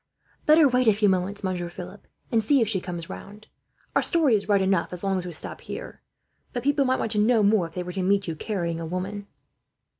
"Better wait a few minutes, Monsieur Philip, and see if she comes round. Our story is right enough, as long as we stop here; but people might want to know more, if they were to meet you carrying a woman."